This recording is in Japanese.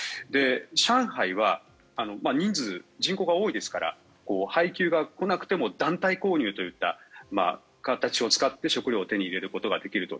上海は人数、人口が多いですから配給が来なくても団体購入といった形を使って食料を手に入れることができると。